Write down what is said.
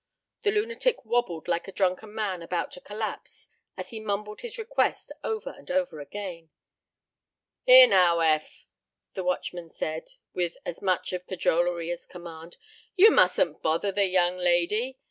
The lunatic wobbled like a drunken man about to collapse, as he mumbled his request over and over again. "Here, now, Eph," the watchman said, with as much of cajolery as command, "you mustn't bother the young lady.